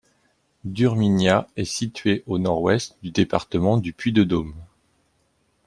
Durmignat est située au nord-ouest du département du Puy-de-Dôme.